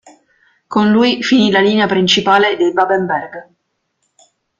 Con lui finì la linea principale dei Babenberg.